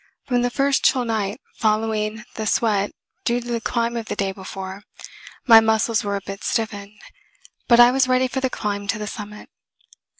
From the first chill night, following the sweat due to the climb of the day before, my muscles were a bit stiffened; but I was ready for the climb to the summit.